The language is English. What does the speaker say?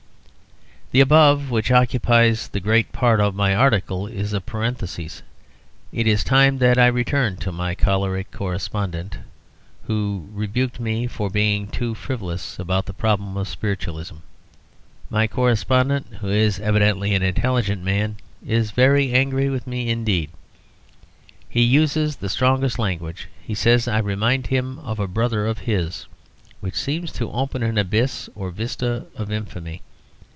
The above, which occupies the great part of my article, is a parenthises. It is time that I returned to my choleric correspondent who rebuked me for being too frivolous about the problem of Spiritualism. My correspondent, who is evidently an intelligent man, is very angry with me indeed. He uses the strongest language. He says I remind him of a brother of his: which seems to open an abyss or vista of infamy.